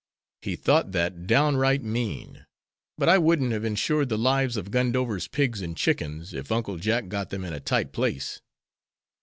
He thought that downright mean, but I wouldn't have insured the lives of Gundover's pigs and chickens, if Uncle Jack got them in a tight place.